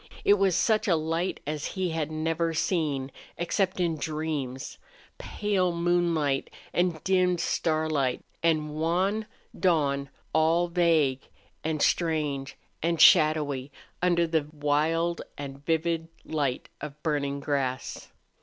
It was such a light as he had never seen, except in dreams. Pale moonlight and dimmed starlight and wan dawn all vague and strange and shadowy under the wild and vivid light of burning grass.